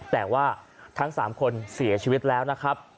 แต่ว่าทั้ง๓คนเสียชีวิตแล้วนะครับ